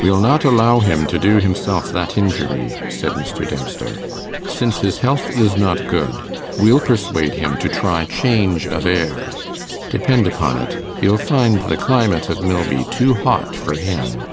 'We'll not allow him to do himself that injury,' said Mr. Dempster. 'Since his health is not good, we'll persuade him to try change of air. Depend upon it, he'll find the climate of Milby too hot for him.